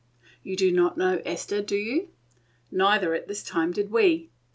You do not know Esther, do you? neither at this minute did we.